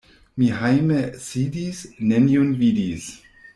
Mi hejme sidis, nenion vidis.